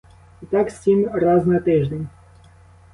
І так сім раз на тиждень.